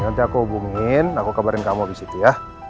nanti aku hubungin aku kabarin kamu abis itu ya